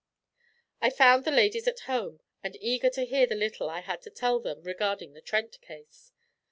I found the ladies at home, and eager to hear the little I had to tell them regarding the Trent case.